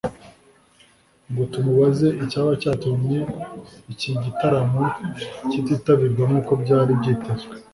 ngo tumubaze icyaba cyatumye iki gitaramo kititabirwa nkuko byari byitezwe